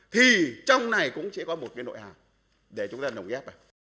thì trong này cũng sẽ có một cái nội hạng để chúng ta nồng ghép